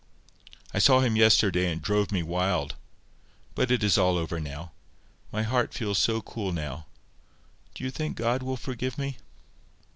I saw him yesterday, and it drove me wild. But it is all over now. My heart feels so cool now. Do you think God will forgive me?"